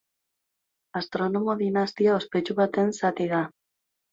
Astronomo dinastia ospetsu baten zati da.